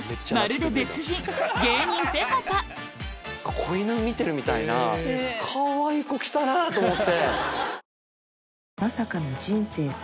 子犬見てるみたいなかわいい子来たなぁと思って。